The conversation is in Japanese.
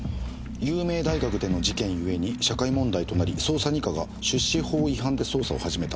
「有名大学での事件ゆえに社会問題となり捜査二課が出資法違反で捜査を始めた」